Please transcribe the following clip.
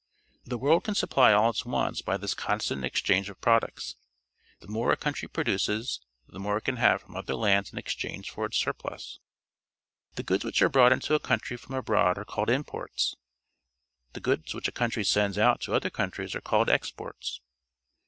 The world can supply all its wants bj' this constant exchange of products. The more a countrj' Dog Teams, Yukon Territory produces, the more it can have from other lands in exchange for its surplus. The goods which are brought into a country from abroad are called imports. The goods wliich a countiy sends out to other countries are called exports.